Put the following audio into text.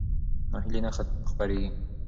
ناهیلي نه خپرېږي.